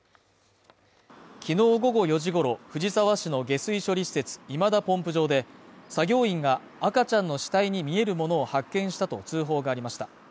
きのう午後４時ごろ、藤沢市の下水処理施設、今田ポンプ場で、作業員が赤ちゃんの死体に見えるものを発見したと通報がありました。